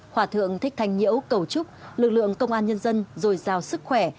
hỏa thượng thích thanh nhễu cầu chúc lực lượng công an nhân dân dồi dào sức khỏe